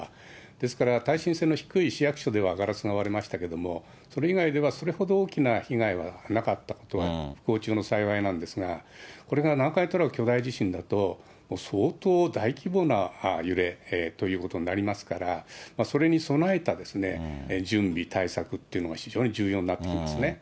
ですから、耐震性の低い市役所ではガラスが割れましたけれども、それ以外ではそれほど大きな被害はなかったと、不幸中の幸いなんですが、これが南海トラフ巨大地震だと、相当大規模な揺れということになりますから、それに備えた準備、対策っていうのは非常に重要になってきますね。